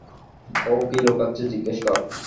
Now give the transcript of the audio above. ও কী লুকোচ্ছে জিজ্ঞেস কর!